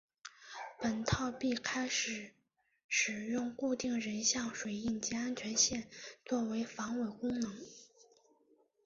本套币开始使用固定人像水印及安全线作为防伪功能。